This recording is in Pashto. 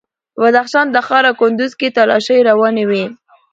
په بدخشان، تخار او کندوز کې تالاشۍ روانې وې.